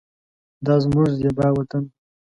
دا زمونږ زیبا وطن